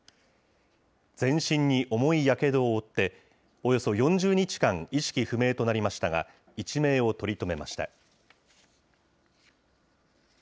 全身に重いやけどを負って、およそ４０日間意識不明の重傷となりましたが、一命を取り留めました。